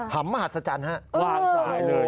ำมหัศจรรย์ฮะวางสายเลย